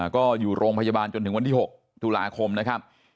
ก็อยู่โรงพยาบาลจนถึงวันที่๖ตุลาคมนะครับ